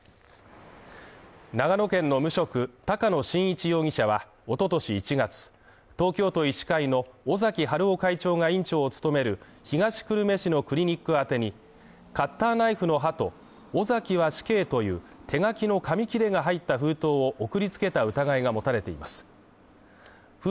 長野県の無職高野伸一容疑者はおととし１月、東京都医師会の尾崎治夫会長が院長を務める東久留米市のクリニック宛に、カッターナイフの刃と、オザキハシケイという手書きの紙切れが入った封筒を送りつけた疑いが持たれています。